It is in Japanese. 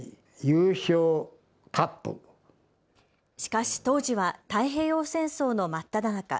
しかし当時は太平洋戦争の真っただ中。